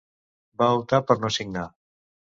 Va optar per no signar.